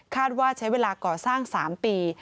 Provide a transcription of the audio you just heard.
ว่าใช้เวลาก่อสร้าง๓ปี